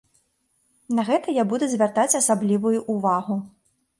На гэта я буду звяртаць асаблівую ўвагу.